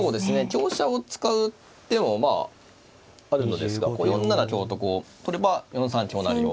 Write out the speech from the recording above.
香車を使う手もまああるのですが４七香とこう取れば４三香成を。